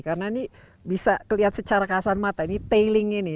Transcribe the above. karena ini bisa dilihat secara kasar mata ini tailing ini